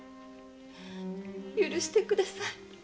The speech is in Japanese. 許してください。